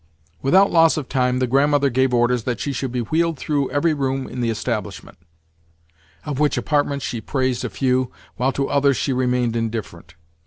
Without loss of time, the Grandmother gave orders that she should be wheeled through every room in the establishment; of which apartments she praised a few, while to others she remained indifferent.